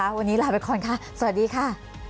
วันนี้ลาไปก่อนค่ะสวัสดีค่ะ